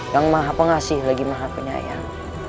yang maha pengasih lagi maha penyayang